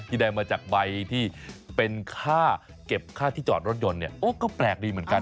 ได้มาจากใบที่เป็นค่าเก็บค่าที่จอดรถยนต์เนี่ยโอ้ก็แปลกดีเหมือนกัน